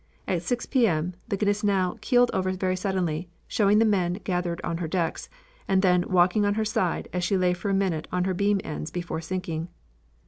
At 6 P. M. the Gneisenau keeled over very suddenly, showing the men gathered on her decks, and then walking on her side as she lay for a minute on her beam ends before sinking.